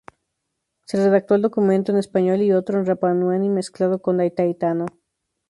Se redactó el documento en español y otro en rapanui mezclado con tahitiano.